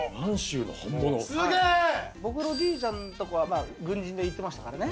僕のおじいちゃんが軍人で行ってましたからね。